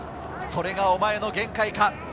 「それがおまえの限界か」。